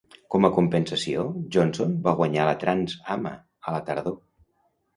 Com a compensació, Jonsson va guanyar la Trans-AMA a la tardor.